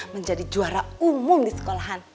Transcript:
menjadi juara umum di sekolahan